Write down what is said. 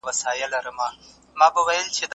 ده د منطق او حکمت اصول زده کړي وو